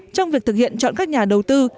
trong việc thực hiện chọn các nhà đầu tư